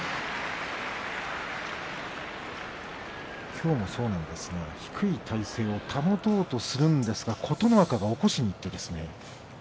きょうもそうなんですが低い体勢を保とうとするんですが琴ノ若が起こしにいきましたね。